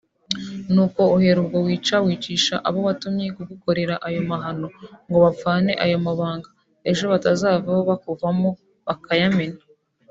nuko uhera ubwo wica/wicisha abo watumye kugukorera ayo mahano ngo bapfane ayo mabanga ejo batazavaho bakuvamo bakayamena………